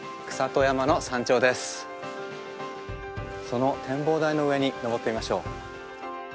その展望台の上に登ってみましょう。